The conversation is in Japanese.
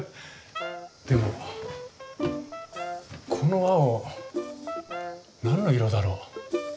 でもこの青何の色だろう？